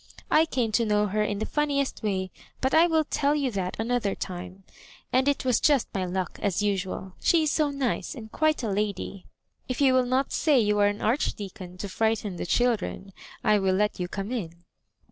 I came to know her in the funniest way ; but I will tell you that an other time. And it was just my luck, as usual She is so nice, and quite a lady. If you will not say you are an Archdeacon, to frighten the children, I will let you come in."